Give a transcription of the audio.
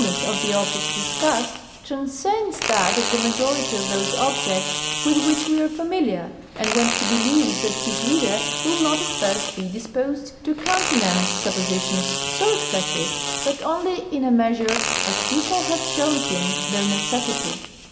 ness of the objects discussed transcends that of the majority of those objects with which we are familiar, and when he believes that his reader will not at first be dis posed to countenance suppositions so excessive, but only in a measure as he shall have shown him their necessity.